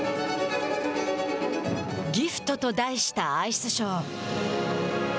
ギフトと題したアイスショー。